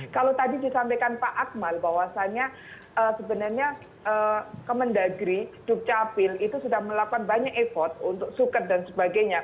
kalau tadi disampaikan pak akmal bahwasannya sebenarnya kemendagri dukcapil itu sudah melakukan banyak effort untuk suket dan sebagainya